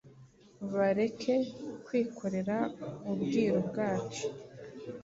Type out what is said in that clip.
Bareke kwikorera Ubwiru bwacu